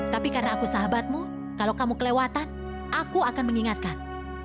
tapi karena aku sahabatmu kalau kamu kelewatan aku akan mengingatkan